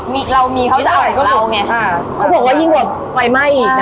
มีเรามีเขาจะเอาอย่างเราไงอ่าเขาบอกว่ายิงกว่าไหวไหม้อีกใช่